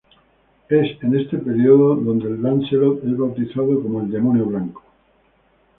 Es en este periodo donde el Lancelot es bautizado como el ""Demonio Blanco"".